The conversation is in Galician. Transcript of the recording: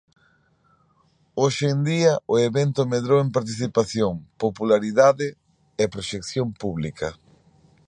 Hoxe en día, o evento medrou en participación, popularidade e proxección pública.